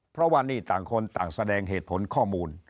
เพราะว่านี่ต่างคนต่างแสดงเหตุผลข้อมูล